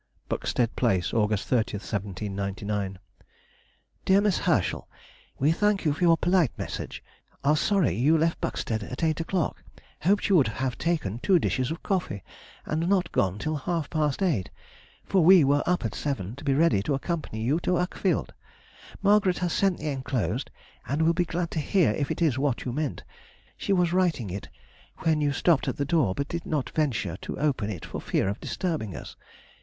BUXTED PLACE, August 30, 1799. DEAR MISS HERSCHEL, We thank you for your polite message, are sorry you left Buxted at eight o'clock; hoped you would have taken two dishes of coffee, and not gone till half past eight, for we were up at seven, to be ready to accompany you to Uckfield. Margaret has sent the enclosed, and will be glad to hear if it is what you meant; she was writing it when you stopped at the door, but did not venture to open it for fear of disturbing us.